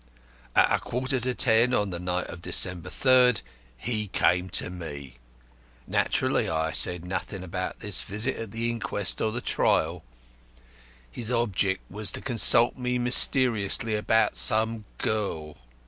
At a quarter to ten on the night of December 3rd he came to me. Naturally I said nothing about this visit at the inquest or the trial. His object was to consult me mysteriously about some girl.